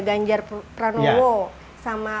ganjar pranowo sama